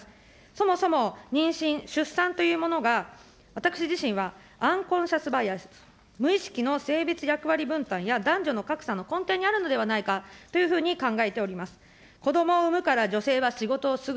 そもそも、妊娠・出産というものが私自身はアンコンシャスバイアス、無意識の、分担や男女の格差の根底にあるのではないかというふうに考えております。